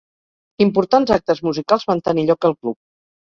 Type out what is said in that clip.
Importants actes musicals van tenir lloc al club.